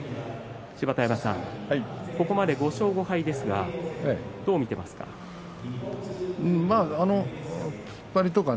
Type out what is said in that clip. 芝田山さん、ここまで５勝５敗ですがどう見ていますか。